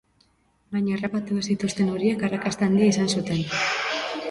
Baina harrapatu ez zituzten horiek arrakasta handia izan zuten.